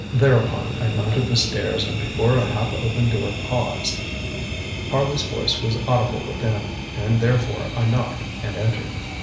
ŌĆØ Thereupon I mounted the stairs and before a half open door paused. Harley's voice was audible within, and therefore I knocked and entered.